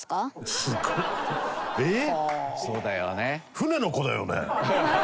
船の子だよね？